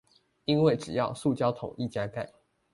因為只要塑膠桶一加蓋